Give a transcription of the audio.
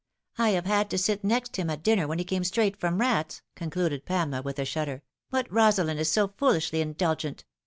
I have had to sit next him at dinner when he came straight from rats," con cluded Pamela, with a shudder. " But Rosalind is so foolishly indulgent.